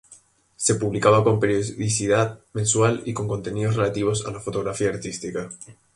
Se publicaba con periodicidad mensual y con contenidos relativos a la fotografía artística.